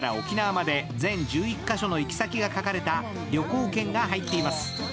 北海道から沖縄まで全１１カ所の行き先が書かれた旅行券が入っています。